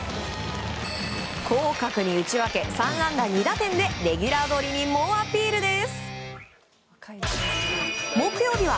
広角に打ち分け、３安打２打点でレギュラーどりに猛アピールです。